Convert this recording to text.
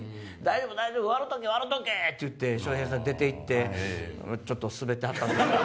「大丈夫笑とけ笑とけ！」って笑瓶さん出ていってちょっとスベってはったんですけど。